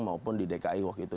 maupun di dki waktu itu